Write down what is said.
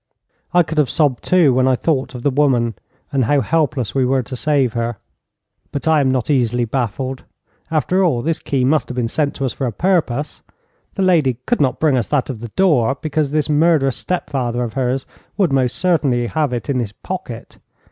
I could have sobbed, too, when I thought of the woman and how helpless we were to save her. But I am not easily baffled. After all, this key must have been sent to us for a purpose. The lady could not bring us that of the door, because this murderous step father of hers would most certainly have it in his pocket.